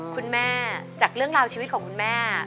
คุณแม่จากเรื่องราวชีวิตของคุณแม่